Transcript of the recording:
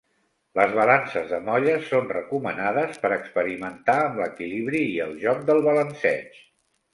Les balances de molles són recomanades per experimentar amb l'equilibri i el joc del balanceig.